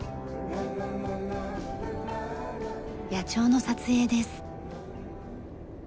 野鳥の撮影です。